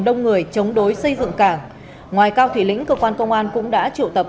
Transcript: đông người chống đối xây dựng cảng ngoài cao thị lĩnh cơ quan công an cũng đã triệu tập